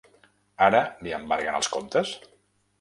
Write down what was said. Ara li embarguen els comptes?